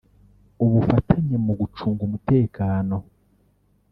ubufatanye mu gucunga umutekano